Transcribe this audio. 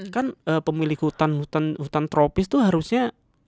kan pemilik hutan tropis itu harusnya